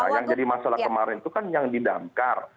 yang jadi masalah kemarin itu kan yang didamkar